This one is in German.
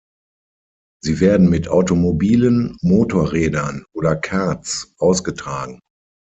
Sie werden mit Automobilen, Motorrädern oder Karts ausgetragen.